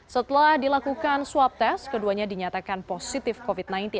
setelah dilakukan swab test keduanya dinyatakan positif covid sembilan belas